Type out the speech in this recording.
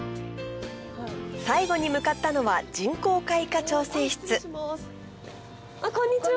最後に向かったのは人工開花調整室こんにちは